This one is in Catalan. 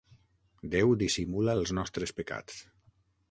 Déu dissimula els nostres pecats.